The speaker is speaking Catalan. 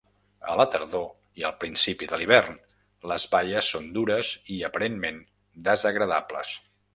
A la tardor i al principi de l'hivern, les baies són dures i aparentment desagradables.